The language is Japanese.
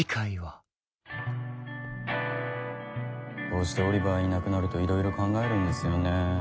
こうしてオリバーいなくなるといろいろ考えるんですよね。